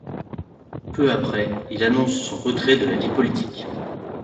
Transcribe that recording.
Peu après, il annonce son retrait de la vie politique.